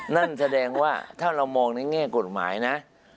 นั่นแสดงว่าถ้าเรามองในแง่กฎหมายนะ